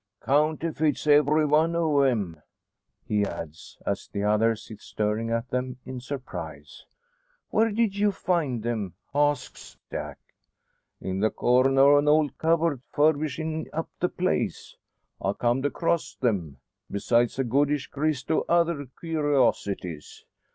"Counterfeits every one o' 'em!" he adds, as the other sits staring at them in surprise. "Where did you find them?" asks Jack. "In the corner o' an old cubbord. Furbishin' up the place, I comed across them besides a goodish grist o' other kewrosities.